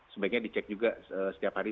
sebaiknya dicek juga setiap hari